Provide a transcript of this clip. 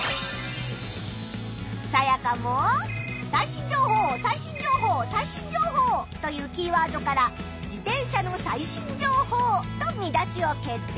サヤカも「最新情報」「最新情報」「最新情報」というキーワードから「自転車の最新情報」と見出しを決定！